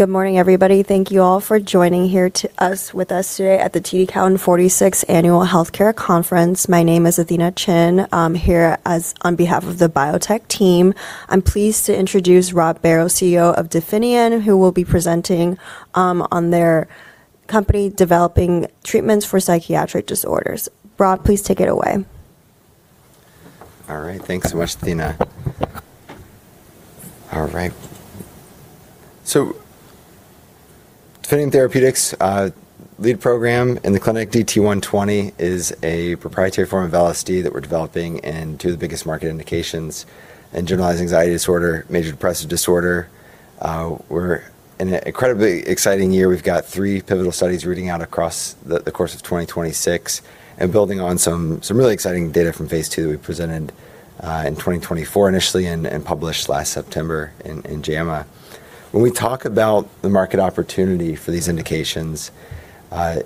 Good morning, everybody. Thank you all for joining with us today at the TD Cowen 46th Annual Health Care Conference. My name is Athena Chin. I'm here as on behalf of the biotech team. I'm pleased to introduce Rob Barrow, CEO of Definium, who will be presenting on their company developing treatments for psychiatric disorders. Rob, please take it away. All right. Thanks so much, Athena. All right. Definium Therapeutics, lead program in the clinic, DT120, is a proprietary form of LSD that we're developing in two of the biggest market indications in generalized anxiety disorder, major depressive disorder. We're in an incredibly exciting year. We've got three pivotal studies reading out across the course of 2026 and building on some really exciting data from phase II that we presented in 2024 initially and published last September in JAMA. When we talk about the market opportunity for these indications, a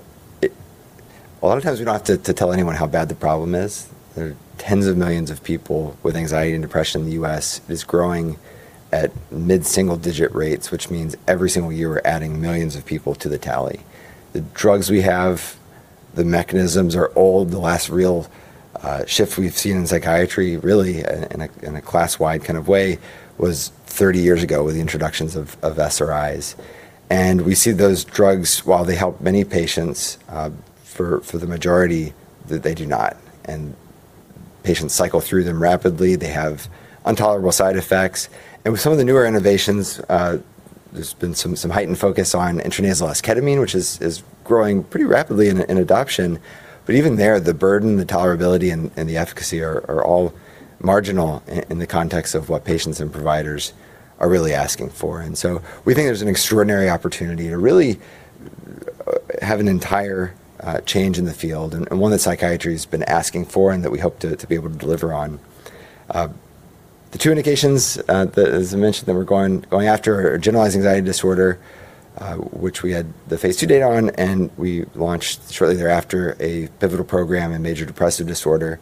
lot of times we don't have to tell anyone how bad the problem is. There are tens of millions of people with anxiety and depression in the U.S. It is growing at mid-single-digit rates, which means every single year we're adding millions of people to the tally. The drugs we have, the mechanisms are old. The last real shift we've seen in psychiatry really in a, in a class-wide kind of way was 30 years ago with the introductions of SRIs. We see those drugs, while they help many patients, for the majority, they do not. Patients cycle through them rapidly. They have untolerable side effects. With some of the newer innovations, there's been some heightened focus on intranasal esketamine, which is growing pretty rapidly in adoption. Even there, the burden, the tolerability, and the efficacy are all marginal in the context of what patients and providers are really asking for. We think there's an extraordinary opportunity to really have an entire change in the field and one that psychiatry has been asking for and that we hope to be able to deliver on. The two indications that as I mentioned, that we're going after are generalized anxiety disorder, which we had the phase II data on, and we launched shortly thereafter a pivotal program in major depressive disorder.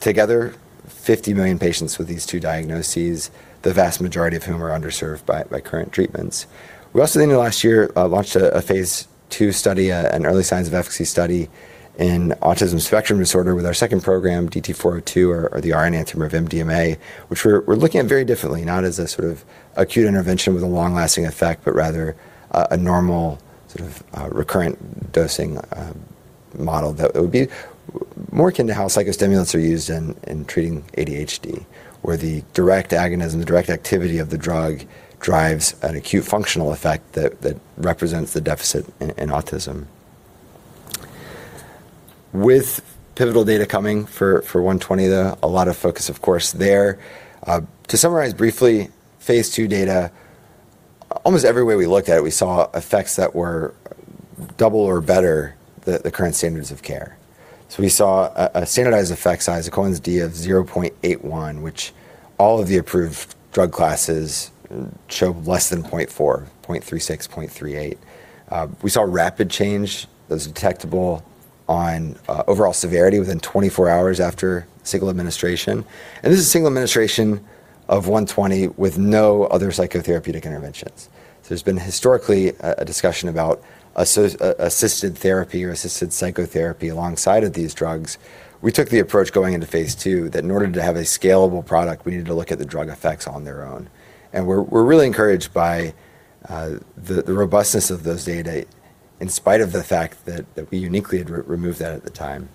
Together, 50 million patients with these two diagnoses, the vast majority of whom are underserved by current treatments. We also in the last year, launched a phase II study, an early signs of efficacy study in autism spectrum disorder with our second program, DT402, or the R enantiomer of MDMA, which we're looking at very differently, not as a sort of acute intervention with a long-lasting effect, but rather a normal sort of recurrent dosing model that would be more akin to how psychostimulants are used in treating ADHD, where the direct agonism, the direct activity of the drug drives an acute functional effect that represents the deficit in autism. With pivotal data coming for DT120 though, a lot of focus, of course, there. To summarize briefly, phase II data, almost every way we looked at it, we saw effects that were double or better the current standards of care. We saw a standardized effect size, a Cohen's d of 0.81, which all of the approved drug classes show less than 0.4, 0.36, 0.38. We saw rapid change that was detectable on overall severity within 24 hours after single administration. This is a single administration of DT120 with no other psychotherapeutic interventions. There's been historically a discussion about assisted therapy or assisted psychotherapy alongside of these drugs. We took the approach going into phase II that in order to have a scalable product, we needed to look at the drug effects on their own. We're really encouraged by the robustness of those data in spite of the fact that we uniquely had removed that at the time.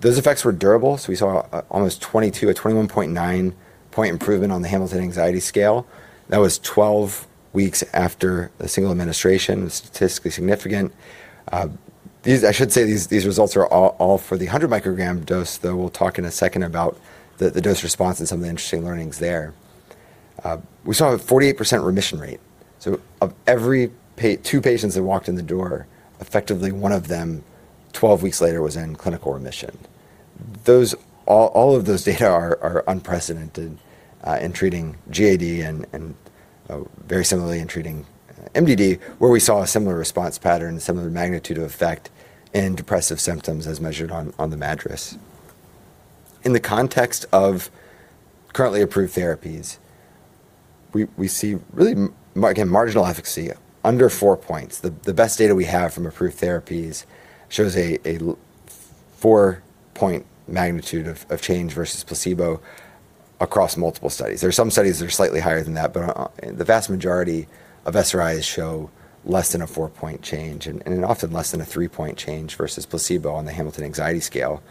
Those effects were durable, so we saw almost 22, a 21.9 point improvement on the Hamilton Anxiety Rating Scale. That was 12 weeks after a single administration. It was statistically significant. I should say these results are all for the 100 microgram dose, though we'll talk in a second about the dose response and some of the interesting learnings there. We saw a 48% remission rate. So of every two patients that walked in the door, effectively one of them 12 weeks later was in clinical remission. All of those data are unprecedented in treating GAD and very similarly in treating MDD, where we saw a similar response pattern, similar magnitude of effect in depressive symptoms as measured on the MADRS. In the context of currently approved therapies, we see really marginal efficacy under 4 points. The best data we have from approved therapies shows a 4-point magnitude of change versus placebo across multiple studies. There are some studies that are slightly higher than that, but the vast majority of SRIs show less than a 4-point change and often less than a 3-point change versus placebo on the Hamilton Anxiety Scale,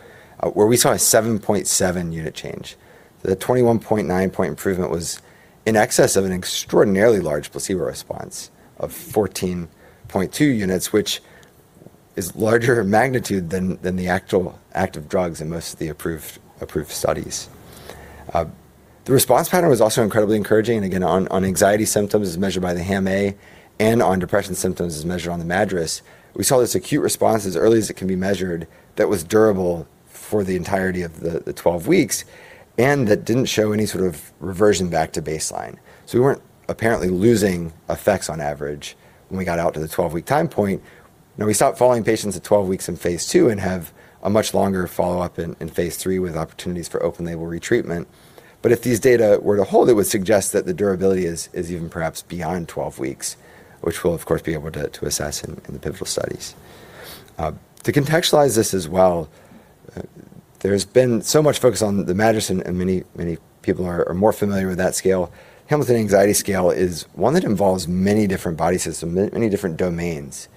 where we saw a 7.7 unit change. The 21.9 point improvement was in excess of an extraordinarily large placebo response of 14.2 units, which is larger magnitude than the actual active drugs in most of the approved studies. The response pattern was also incredibly encouraging. Again, on anxiety symptoms as measured by the HAM-A and on depression symptoms as measured on the MADRS, we saw this acute response as early as it can be measured that was durable for the entirety of the 12 weeks, and that didn't show any sort of reversion back to baseline. We weren't apparently losing effects on average when we got out to the 12-week time point. Now we stopped following patients at 12 weeks in phase II and have a much longer follow-up in phase III with opportunities for open-label retreatment. If these data were to hold, it would suggest that the durability is even perhaps beyond 12 weeks, which we'll of course be able to assess in the pivotal studies. To contextualize this as well, there's been so much focus on the MADRS, many people are more familiar with that scale. Hamilton Anxiety Scale is one that involves many different body systems, many different domains.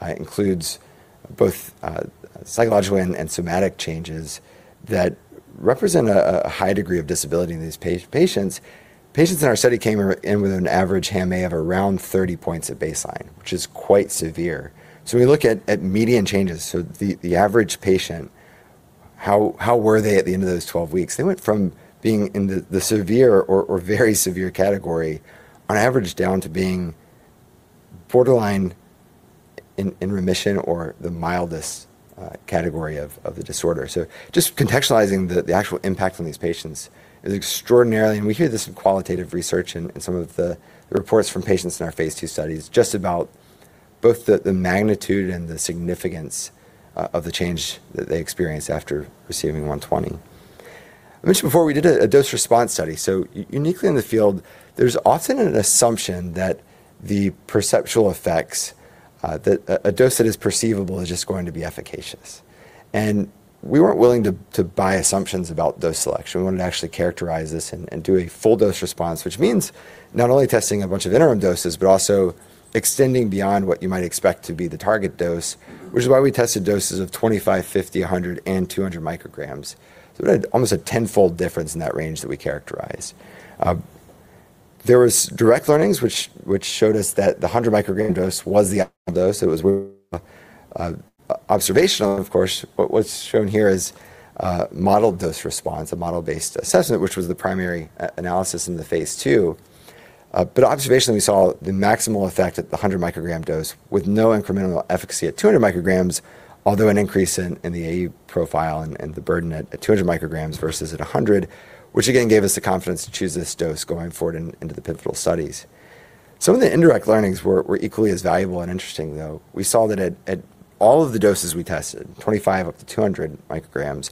It includes both psychological and somatic changes that represent a high degree of disability in these patients. Patients in our study came in with an average HAMA of around 30 points at baseline, which is quite severe. We look at median changes. The average patient, how were they at the end of those 12 weeks? They went from being in the severe or very severe category on average down to being borderline in remission or the mildest category of the disorder. Just contextualizing the actual impact on these patients is extraordinary. We hear this in qualitative research in some of the reports from patients in our phase II studies, just about both the magnitude and the significance of the change that they experience after receiving DT120. I mentioned before we did a dose-response study. Uniquely in the field, there's often an assumption that the perceptual effects that a dose that is perceivable is just going to be efficacious. We weren't willing to buy assumptions about dose selection. We wanted to actually characterize this and do a full dose response, which means not only testing a bunch of interim doses, but also extending beyond what you might expect to be the target dose, which is why we tested doses of 25, 50, 100, and 200 micrograms. We had almost a 10-fold difference in that range that we characterized. There was direct learnings which showed us that the 100 microgram dose was the optimal dose. It was observational, of course, but what's shown here is modeled dose response, a model-based assessment, which was the primary analysis in the phase II. Observationally, we saw the maximal effect at the 100 microgram dose with no incremental efficacy at 200 micrograms, although an increase in the AE profile and the burden at 200 micrograms versus at 100, which again, gave us the confidence to choose this dose going forward into the pivotal studies. Some of the indirect learnings were equally as valuable and interesting, though. We saw that at all of the doses we tested, 25 up to 200 micrograms,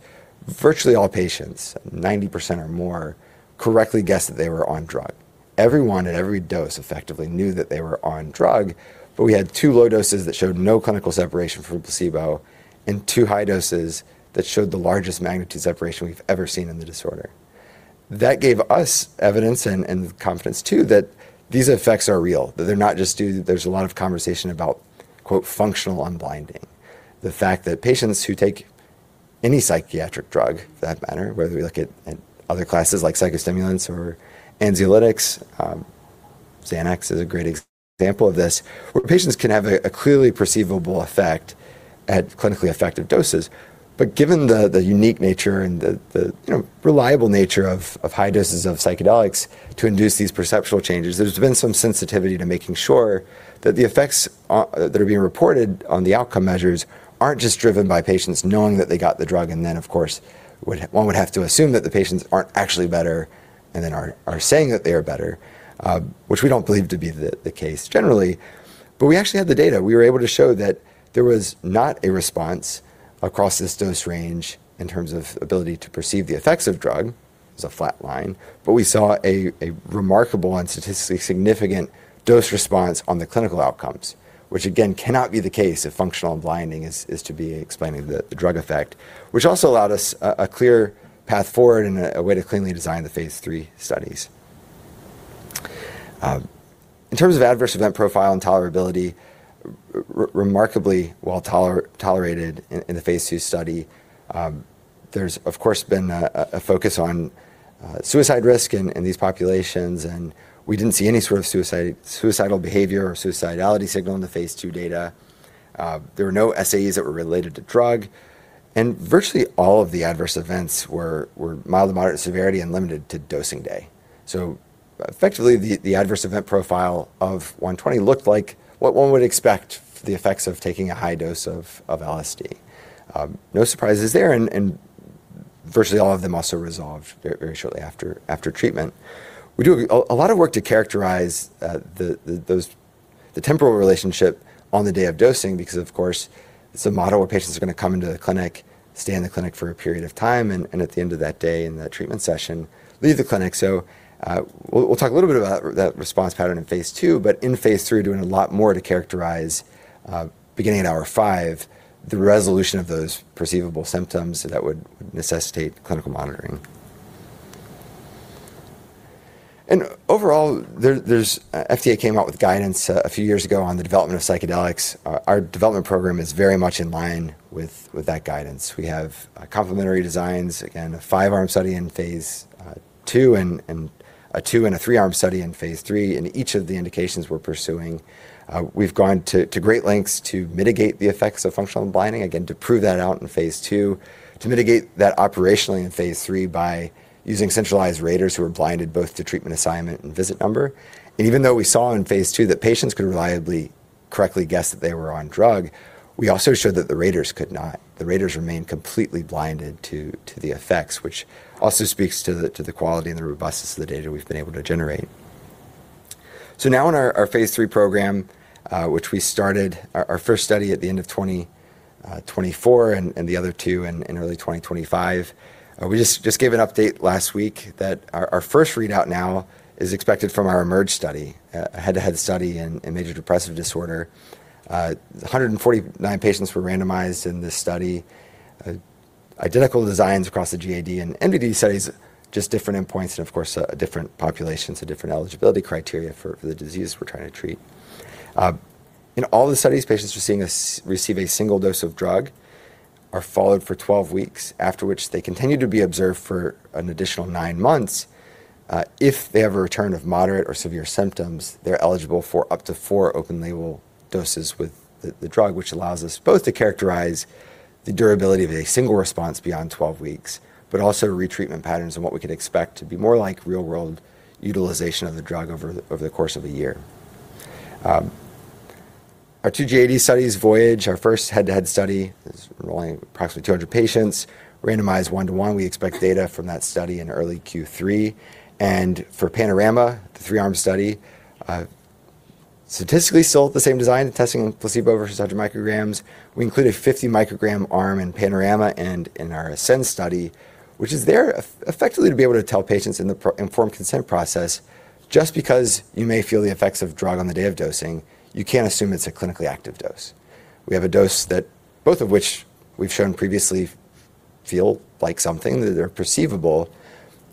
virtually all patients, 90% or more, correctly guessed that they were on drug. Everyone at every dose effectively knew that they were on drug. We had two low doses that showed no clinical separation from placebo and two high doses that showed the largest magnitude separation we've ever seen in the disorder. That gave us evidence and confidence too that these effects are real, that they're not just due. There's a lot of conversation about, quote, "functional unblinding." The fact that patients who take any psychiatric drug for that matter, whether we look at other classes like psychostimulants or anxiolytics, Xanax is a great example of this, where patients can have a clearly perceivable effect at clinically effective doses. Given the unique nature and the, you know, reliable nature of high doses of psychedelics to induce these perceptual changes, there's been some sensitivity to making sure that the effects that are being reported on the outcome measures aren't just driven by patients knowing that they got the drug, and then, of course, one would have to assume that the patients aren't actually better and then are saying that they are better, which we don't believe to be the case generally. We actually had the data. We were able to show that there was not a response across this dose range in terms of ability to perceive the effects of drug as a flat line. We saw a remarkable and statistically significant dose response on the clinical outcomes, which again, cannot be the case if functional unblinding is to be explaining the drug effect, which also allowed us a clear path forward and a way to cleanly design the phase III studies. In terms of adverse event profile and tolerability, remarkably well tolerated in the phase II study. There's of course been a focus on suicide risk in these populations. We didn't see any sort of suicide, suicidal behavior or suicidality signal in the phase II data. There were no SAEs that were related to drug. Virtually all of the adverse events were mild to moderate severity and limited to dosing day. Effectively, the adverse event profile of DT120 looked like what one would expect the effects of taking a high dose of LSD. No surprises there, virtually all of them also resolved very shortly after treatment. We do a lot of work to characterize the temporal relationship on the day of dosing because of course, it's a model where patients are gonna come into the clinic, stay in the clinic for a period of time, and at the end of that day in that treatment session, leave the clinic. We'll talk a little bit about that response pattern in phase II, but in phase III, we're doing a lot more to characterize, beginning at hour five, the resolution of those perceivable symptoms that would necessitate clinical monitoring. Overall, FDA came out with guidance a few years ago on the development of psychedelics. Our development program is very much in line with that guidance. We have complementary designs, again, a five-arm study in phase II and a two and a three-arm study in phase III in each of the indications we're pursuing. We've gone to great lengths to mitigate the effects of functional unblinding, again, to prove that out in phase II, to mitigate that operationally in phase III by using centralized raters who are blinded both to treatment assignment and visit number. Even though we saw in phase II that patients could reliably correctly guess that they were on drug, we also showed that the raters could not. The raters remained completely blinded to the effects, which also speaks to the quality and the robustness of the data we've been able to generate. Now in our phase III program, which we started our first study at the end of 2024 and the other two in early 2025. We just gave an update last week that our first readout now is expected from our EMERGE study, a head-to-head study in major depressive disorder. 149 patients were randomized in this study. Identical designs across the GAD and MDD studies, just different endpoints and of course, different populations, so different eligibility criteria for the disease we're trying to treat. In all the studies, patients who receive a single dose of drug are followed for 12 weeks, after which they continue to be observed for an additional nine months. If they have a return of moderate or severe symptoms, they're eligible for up to four open label doses with the drug, which allows us both to characterize the durability of a single response beyond 12 weeks, but also retreatment patterns and what we could expect to be more like real-world utilization of the drug over the course of a year. Our two GAD studies, VOYAGE, our first head-to-head study, is enrolling approximately 200 patients, randomized 1-to-1. We expect data from that study in early Q3. For PANORAMA, the three-arm study, statistically still the same design, testing placebo versus 100 micrograms. We included a 50-microgram arm in PANORAMA and in our ASCEND study, which is there effectively to be able to tell patients in the informed consent process, just because you may feel the effects of drug on the day of dosing, you can't assume it's a clinically active dose. We have a dose that both of which we've shown previously feel like something, that they're perceivable,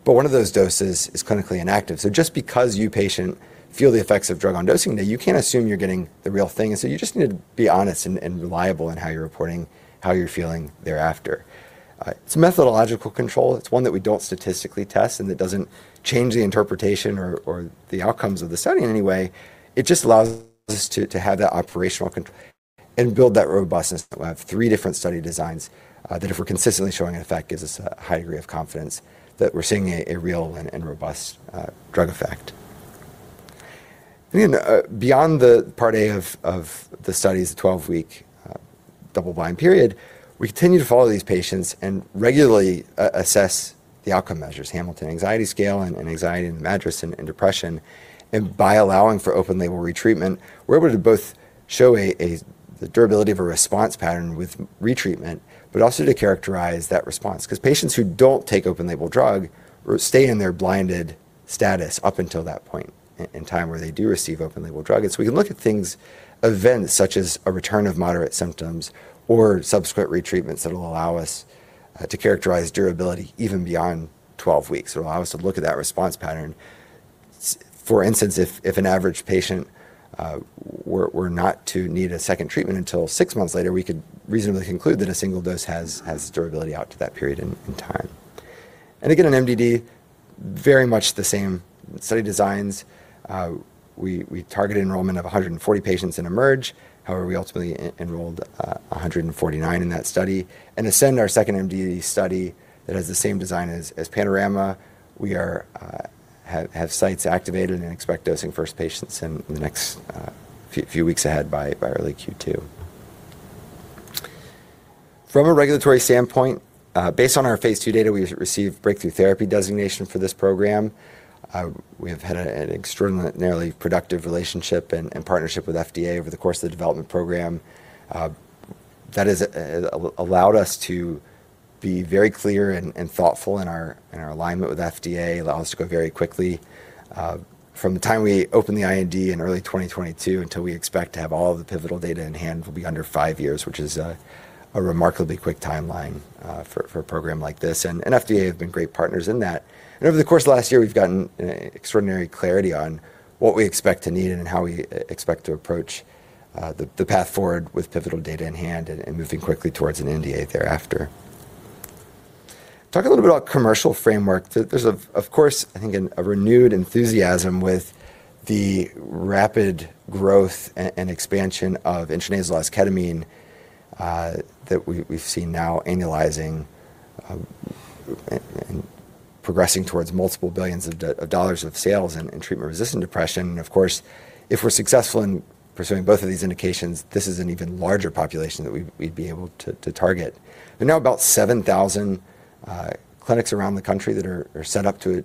but one of those doses is clinically inactive. Just because you, patient, feel the effects of drug on dosing day, you can't assume you're getting the real thing. You just need to be honest and reliable in how you're reporting how you're feeling thereafter. It's a methodological control. It's one that we don't statistically test. It doesn't change the interpretation or the outcomes of the study in any way. It just allows us to have that operational and build that robustness that we'll have three different study designs, that if we're consistently showing an effect, gives us a high degree of confidence that we're seeing a real and robust drug effect. Beyond the Part A of the study's 12-week double-blind period, we continue to follow these patients and regularly assess the outcome measures, Hamilton Anxiety Scale and anxiety in the MADRS and depression. By allowing for open-label retreatment, we're able to both show a the durability of a response pattern with retreatment, but also to characterize that response. 'Cause patients who don't take open label drug stay in their blinded status up until that point in time where they do receive open label drug. We can look at things, events such as a return of moderate symptoms or subsequent retreatments that'll allow us to characterize durability even beyond 12 weeks. It'll allow us to look at that response pattern. For instance, if an average patient were not to need a second treatment until six months later, we could reasonably conclude that a single dose has durability out to that period in time. Again, in MDD, very much the same study designs. We targeted enrollment of 140 patients in EMERGE. However, we ultimately enrolled 149 in that study. ASCEND, our second MDD study that has the same design as PANORAMA, we have sites activated and expect dosing first patients in the next few weeks ahead by early Q2. From a regulatory standpoint, based on our phase II data, we received Breakthrough Therapy designation for this program. We have had an extraordinarily productive relationship and partnership with FDA over the course of the development program. That has allowed us to be very clear and thoughtful in our alignment with FDA, allowed us to go very quickly. From the time we opened the IND in early 2022 until we expect to have all of the pivotal data in hand will be under five years, which is a remarkably quick timeline for a program like this. FDA have been great partners in that. Over the course of last year, we've gotten extraordinary clarity on what we expect to need and how we expect to approach the path forward with pivotal data in hand and moving quickly towards an NDA thereafter. Talk a little bit about commercial framework. There's of course, I think a renewed enthusiasm with the rapid growth and expansion of intranasal esketamine that we've seen now annualizing and progressing towards multiple billions of dollars of sales in treatment-resistant depression. Of course, if we're successful in pursuing both of these indications, this is an even larger population that we'd be able to target. There are now about 7,000 clinics around the country that are set up to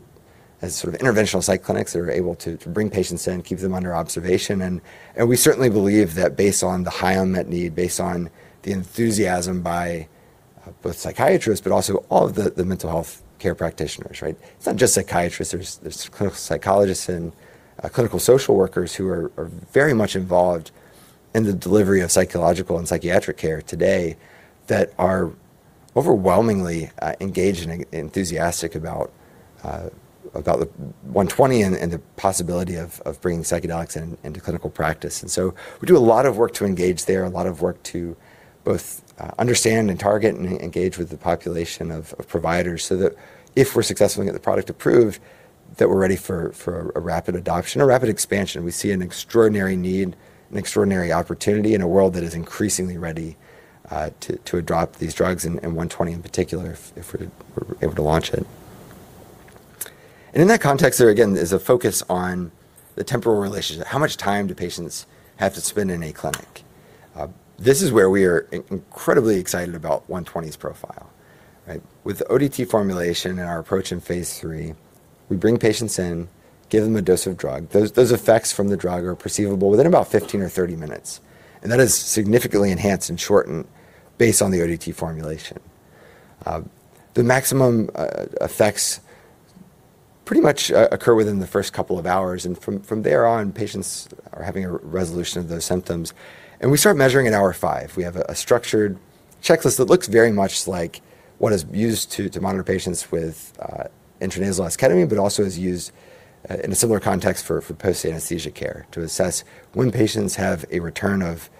as sort of interventional psychiatry clinics that are able to bring patients in, keep them under observation. We certainly believe that based on the high unmet need, based on the enthusiasm by both psychiatrists, but also all of the mental health care practitioners, right? It's not just psychiatrists. There's clinical psychologists and clinical social workers who are very much involved in the delivery of psychological and psychiatric care today that are overwhelmingly engaged and enthusiastic about DT120 and the possibility of bringing psychedelics into clinical practice. We do a lot of work to engage there, a lot of work to both understand and target and engage with the population of providers so that if we're successful in getting the product approved, that we're ready for a rapid adoption, a rapid expansion. We see an extraordinary need, an extraordinary opportunity in a world that is increasingly ready to adopt these drugs and DT120 in particular if we're able to launch it. In that context, there again is a focus on the temporal relationship. How much time do patients have to spend in a clinic? This is where we are incredibly excited about DT120's profile. Right. With ODT formulation and our approach in phase III, we bring patients in, give them a dose of drug. Those effects from the drug are perceivable within about 15 or 30 minutes, and that is significantly enhanced and shortened based on the ODT formulation. The maximum effects pretty much occur within the first couple of hours, and from there on, patients are having a resolution of those symptoms. We start measuring at hour five. We have a structured checklist that looks very much like what is used to monitor patients with intranasal esketamine, but also is used in a similar context for post-anesthesia care to assess when patients have a return of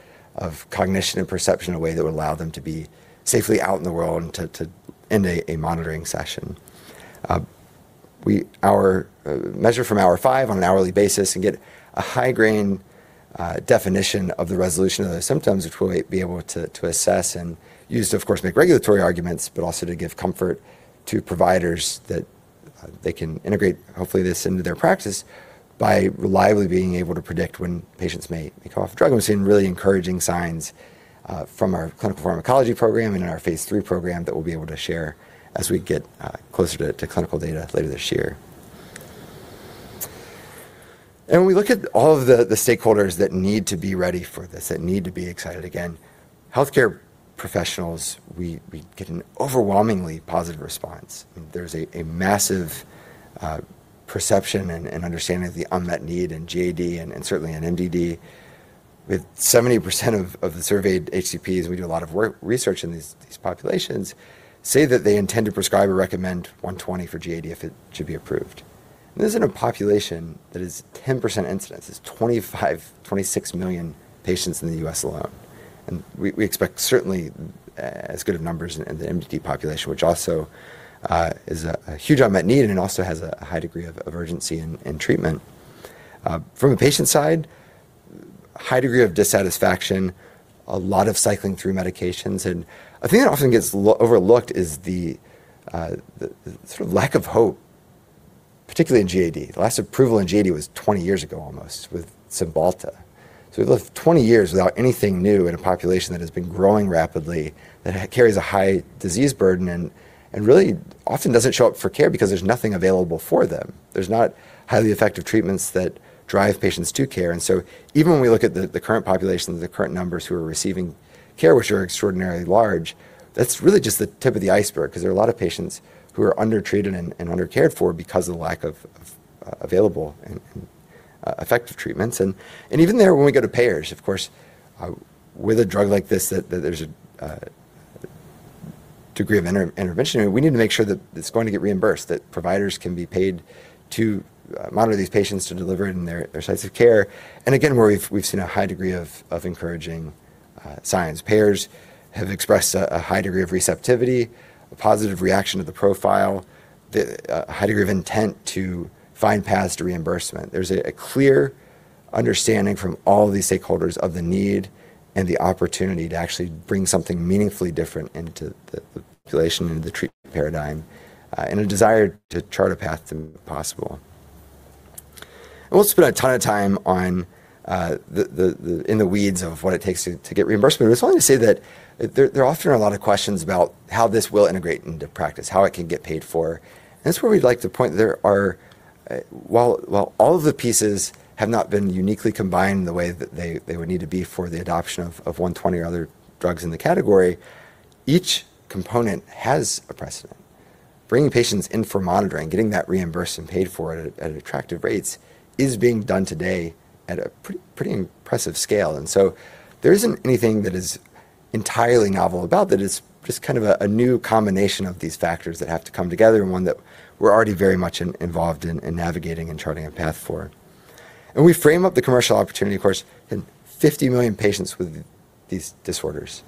cognition and perception in a way that would allow them to be safely out in the world and to end a monitoring session. Our measure from hour five on an hourly basis and get a high grain definition of the resolution of those symptoms, which we'll be able to assess and use to, of course, make regulatory arguments, but also to give comfort to providers that they can integrate, hopefully, this into their practice by reliably being able to predict when patients may come off drug. We've seen really encouraging signs from our clinical pharmacology program and in our phase III program that we'll be able to share as we get closer to clinical data later this year. We look at all of the stakeholders that need to be ready for this, that need to be excited. Again, Healthcare Professionals, we get an overwhelmingly positive response. There's a massive perception and understanding of the unmet need in GAD and certainly in MDD. With 70% of the surveyed HCPs, we do a lot of research in these populations, say that they intend to prescribe or recommend DT120 for GAD if it should be approved. This is in a population that is 10% incidence. It's 25-26 million patients in the U.S. alone. We expect certainly as good of numbers in the MDD population, which also is a huge unmet need and it also has a high degree of urgency in treatment. From a patient side, high degree of dissatisfaction, a lot of cycling through medications. A thing that often gets overlooked is the sort of lack of hope, particularly in GAD. The last approval in GAD was 20 years ago almost with Cymbalta. We've lived 20 years without anything new in a population that has been growing rapidly, that carries a high disease burden and really often doesn't show up for care because there's nothing available for them. There's not highly effective treatments that drive patients to care. Even when we look at the current population, the current numbers who are receiving care, which are extraordinarily large, that's really just the tip of the iceberg 'cause there are a lot of patients who are undertreated and under-cared for because of the lack of available and effective treatments. Even there, when we go to payers, of course, with a drug like this, that there's a degree of inter-intervention, we need to make sure that it's going to get reimbursed, that providers can be paid to monitor these patients, to deliver it in their sites of care. Again, we've seen a high degree of encouraging signs. Payers have expressed a high degree of receptivity, a positive reaction to the profile, a high degree of intent to find paths to reimbursement. There's a clear understanding from all of these stakeholders of the need and the opportunity to actually bring something meaningfully different into the population and the treatment paradigm, and a desire to chart a path to make it possible. I won't spend a ton of time on the in the weeds of what it takes to get reimbursement. I just wanted to say that there often are a lot of questions about how this will integrate into practice, how it can get paid for. That's where we'd like to point there are, while all of the pieces have not been uniquely combined the way that they would need to be for the adoption of DT120 or other drugs in the category, each component has a precedent. Bringing patients in for monitoring, getting that reimbursed and paid for at attractive rates is being done today at a pretty impressive scale. So there isn't anything that is entirely novel about that. It's just kind of a new combination of these factors that have to come together and one that we're already very much involved in navigating and charting a path for. We frame up the commercial opportunity, of course, in 50 million patients with these disorders.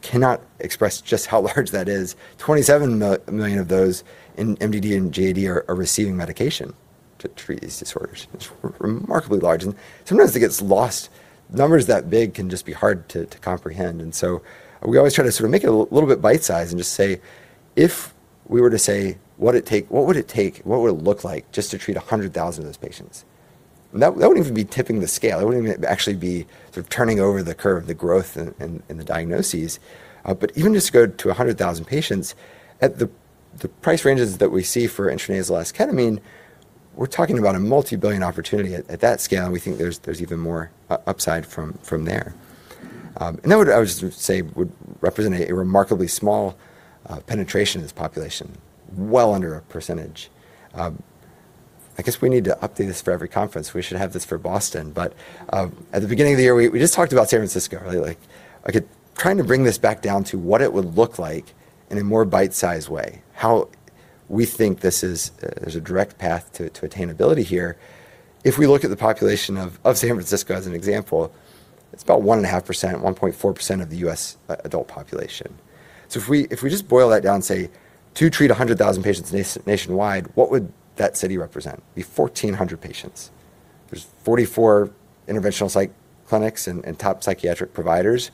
Cannot express just how large that is. 27 million of those in MDD and GAD are receiving medication to treat these disorders. It's remarkably large, and sometimes it gets lost. Numbers that big can just be hard to comprehend. We always try to sort of make it a little bit bite-sized and just say, if we were to say, what would it take, what would it look like just to treat 100,000 of those patients? That wouldn't even be tipping the scale. It wouldn't even actually be sort of turning over the curve, the growth in the diagnoses. Even just to go to 100,000 patients, at the price ranges that we see for intranasal esketamine, we're talking about a multi-billion opportunity. At that scale, we think there's even more upside from there. That would, I would just say, would represent a remarkably small penetration of this population, well under 1%. I guess we need to update this for every conference. We should have this for Boston. At the beginning of the year, we just talked about San Francisco, really, like trying to bring this back down to what it would look like in a more bite-sized way, how we think this is, there's a direct path to attainability here. If we look at the population of San Francisco as an example, it's about 1.5%, 1.4% of the U.S. adult population. If we just boil that down and say, to treat 100,000 patients nationwide, what would that city represent? It'd be 1,400 patients. There's 44 interventional psych clinics and top psychiatric providers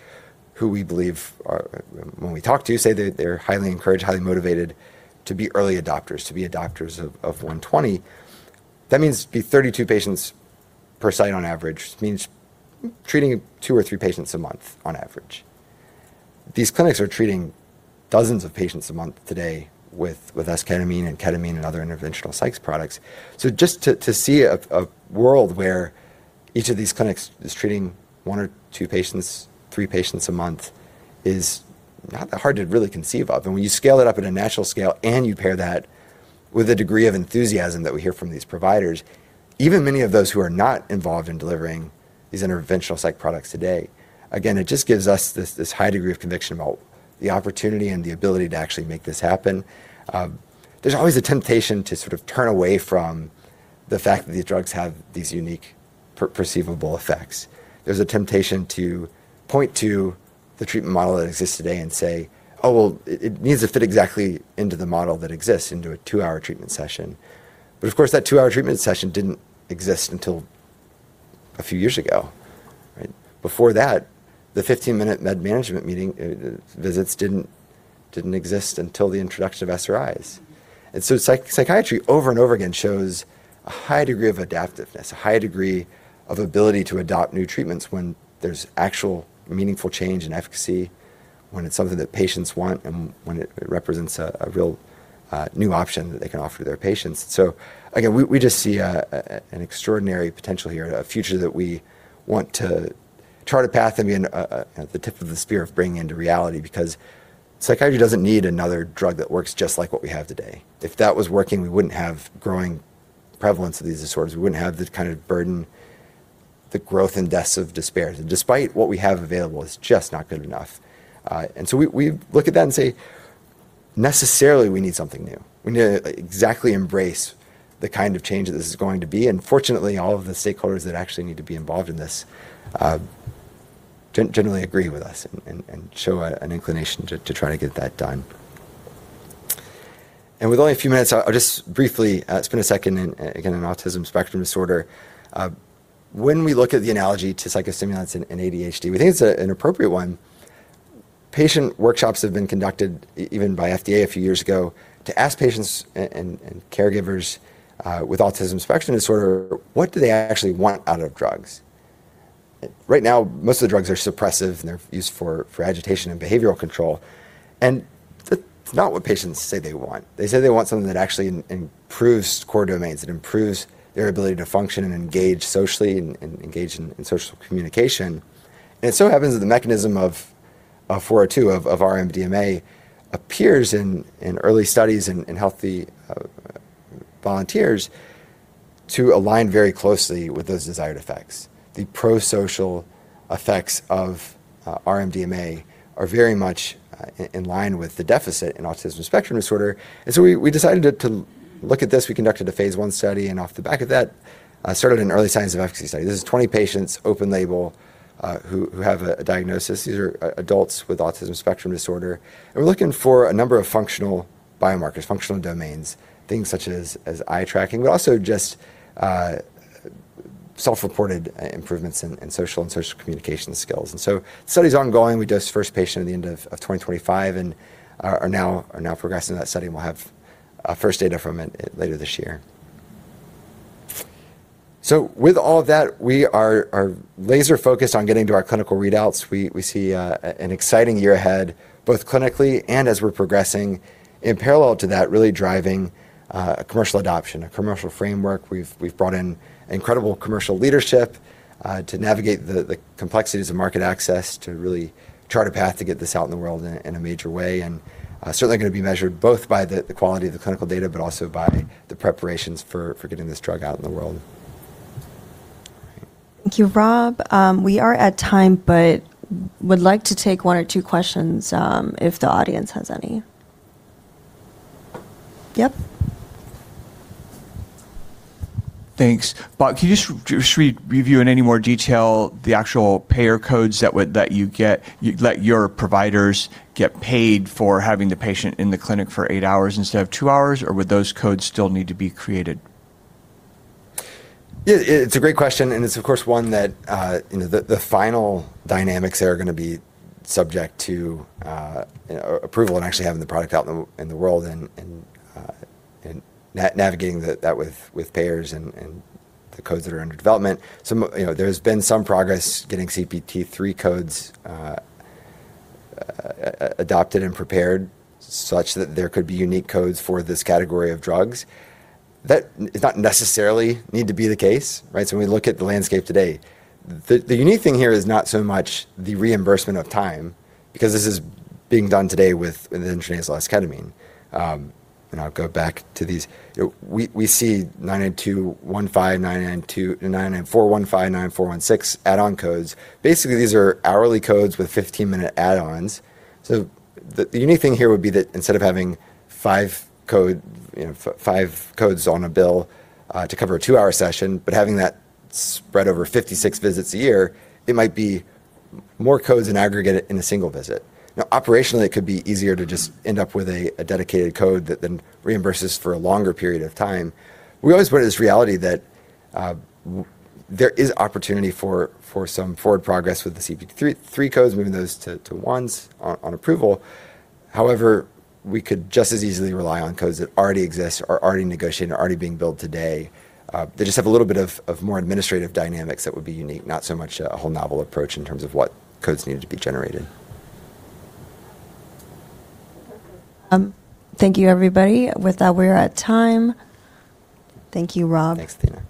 who we believe are when we talk to say that they're highly encouraged, highly motivated to be early adopters, to be adopters of DT120. That means it'd be 32 patients per site on average means treating two or three patients a month on average. These clinics are treating dozens of patients a month today with esketamine and ketamine and other interventional psych products. Just to see a world where each of these clinics is treating one or two patients, three patients a month is hard to really conceive of. When you scale it up at a national scale and you pair that with the degree of enthusiasm that we hear from these providers, even many of those who are not involved in delivering these interventional psych products today, again, it just gives us this high degree of conviction about the opportunity and the ability to actually make this happen. There's always a temptation to sort of turn away from the fact that these drugs have these unique perceivable effects. There's a temptation to point to the treatment model that exists today and say, "Oh, well, it needs to fit exactly into the model that exists into a two-hour treatment session." Of course, that two-hour treatment session didn't exist until a few years ago, right? Before that, the 15-minute med management meeting, visits didn't exist until the introduction of SRIs. Psychiatry over and over again shows a high degree of adaptiveness, a high degree of ability to adopt new treatments when there's actual meaningful change and efficacy, when it's something that patients want and when it represents a real new option that they can offer their patients. Again, we just see an extraordinary potential here, a future that we want to chart a path and be in the tip of the spear of bringing into reality because psychiatry doesn't need another drug that works just like what we have today. If that was working, we wouldn't have growing prevalence of these disorders. We wouldn't have the kind of burden, the growth in deaths of despair. Despite what we have available, it's just not good enough. We look at that and say, "Necessarily, we need something new." We need to exactly embrace the kind of change that this is going to be. Fortunately, all of the stakeholders that actually need to be involved in this generally agree with us and, and show an inclination to try to get that done. With only a few minutes, I'll just briefly spend a second in, again, in autism spectrum disorder. When we look at the analogy to psychostimulants in ADHD, we think it's an appropriate one. Patient workshops have been conducted even by FDA a few years ago to ask patients and caregivers with autism spectrum disorder, what do they actually want out of drugs? Right now, most of the drugs are suppressive, and they're used for agitation and behavioral control. That's not what patients say they want. They say they want something that actually improves core domains, that improves their ability to function and engage socially and engage in social communication. It so happens that the mechanism of 402, of R-MDMA appears in early studies in healthy volunteers to align very closely with those desired effects. The pro-social effects of R-MDMA are very much in line with the deficit in autism spectrum disorder. We decided to look at this. We conducted a phase I study, and off the back of that started an early signs of efficacy study. This is 20 patients, open label, who have a diagnosis. These are adults with autism spectrum disorder. We're looking for a number of functional biomarkers, functional domains, things such as eye tracking, but also just self-reported improvements in social and social communication skills. Study's ongoing. We dosed the first patient at the end of 2025 and are now progressing that study, and we'll have first data from it later this year. With all of that, we are laser-focused on getting to our clinical readouts. We see an exciting year ahead, both clinically and as we're progressing in parallel to that, really driving commercial adoption, a commercial framework. We've brought in incredible commercial leadership to navigate the complexities of market access to really chart a path to get this out in the world in a major way, and certainly going to be measured both by the quality of the clinical data, but also by the preparations for getting this drug out in the world. Thank you, Rob. We are at time, but would like to take one or two questions, if the audience has any. Yep. Thanks. Rob, can you just re-review in any more detail the actual payer codes that you let your providers get paid for having the patient in the clinic for eight hours instead of two hours? Or would those codes still need to be created? Yeah. It's a great question, and it's, of course, one that, you know, the final dynamics there are going to be subject to, you know, approval and actually having the product out in the, in the world and navigating that with payers and the codes that are under development. You know, there's been some progress getting CPT III codes adopted and prepared such that there could be unique codes for this category of drugs. That does not necessarily need to be the case, right? When we look at the landscape today, the unique thing here is not so much the reimbursement of time because this is being done today with an intranasal esketamine. I'll go back to these. We see 90215, 90415, 99416 add-on codes. Basically, these are hourly codes with 15-minute add-ons. The unique thing here would be that instead of having five codes on a bill, to cover a two-hour session, but having that spread over 56 visits a year, it might be more codes in aggregate in a single visit. Operationally, it could be easier to just end up with a dedicated code that then reimburses for a longer period of time. We always point to this reality that there is opportunity for some forward progress with the CPT III codes, moving those to once on approval. We could just as easily rely on codes that already exist, are already negotiated, are already being billed today. They just have a little bit of more administrative dynamics that would be unique, not so much a whole novel approach in terms of what codes needed to be generated. Thank you, everybody. With that, we're at time. Thank you, Rob. Thanks, Athena.